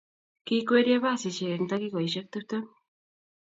Kikwerie pasisyek eng' tagigosyek tiptem.